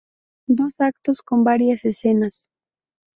Dos actos con varias escenas.